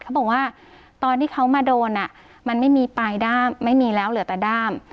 เขาบอกว่าตอนที่เขามาโดนมันไม่มีปลายด้ามไม่มีแล้วเหลือแต่ด้าม